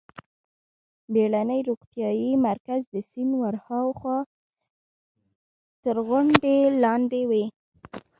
بېړنی روغتیايي مرکز د سیند ورهاخوا تر غونډۍ لاندې و.